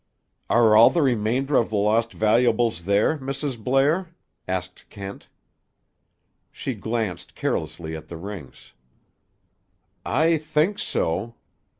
"Are all the remainder of the lost valuables there, Mrs. Blair?" asked Kent. She glanced carelessly at the rings. "I think so.